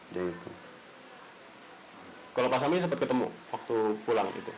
kalau pak samin sempet ketemu waktu pulang